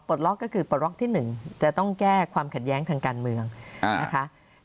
ล็อกก็คือปลดล็อกที่๑จะต้องแก้ความขัดแย้งทางการเมืองนะคะ